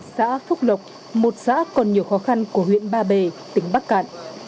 xã phúc lộc một xã còn nhiều khó khăn của huyện ba bể tỉnh bắc cạn